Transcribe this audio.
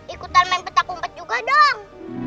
ikutan main petak kumpet juga dong